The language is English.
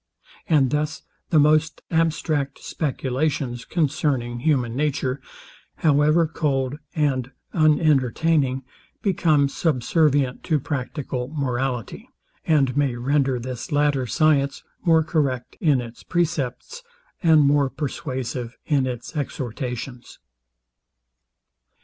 And thus the most abstract speculations concerning human nature, however cold and unentertaining, become subservient to practical morality; and may render this latter science more correct in its precepts, and more persuasive in its exhortations.